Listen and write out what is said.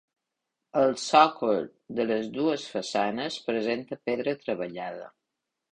El sòcol de les dues façanes presenta pedra treballada.